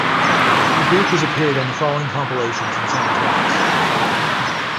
The group has appeared on the following compilations and soundtracks.